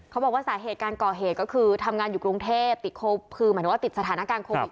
เขาบอกว่าสาเหตุการก่อเหตุก็คือทำงานอยู่กรุงเทพฯติดโคพธิหมายถึงติดสถานการฯกรโปรบิอิต